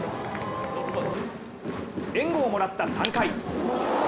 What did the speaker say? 援護をもらった３回。